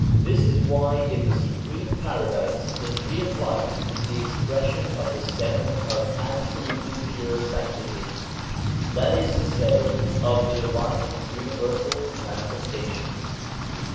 This is why in the supreme Paradise the tree of life is the expression for the centre of absolutely pure sanctity that is to say, of the Divine Universal Manifestation.